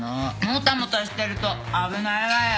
もたもたしてると危ないわよ。